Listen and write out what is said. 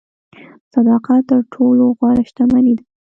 صداقت تر ټولو غوره شتمني ده.